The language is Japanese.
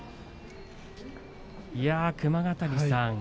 熊ヶ谷さん